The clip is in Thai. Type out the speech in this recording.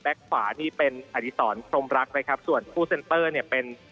แบ๊กขวานี่เป็นอาริสรโครมรักษ์ส่วนผู้เซนเตอร์เป็น